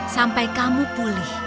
sampai kamu pulih